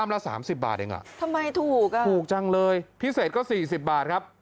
ละ๓๐บาทเองอ่ะทำไมถูกอ่ะถูกจังเลยพิเศษก็๔๐บาทครับ